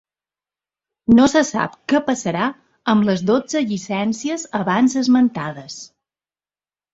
No se sap què passarà amb les dotze llicències abans esmentades.